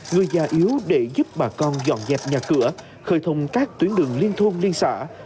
người già yếu để giúp bà con dọn dẹp nhà cửa khơi thông các tuyến đường liên thôn liên xã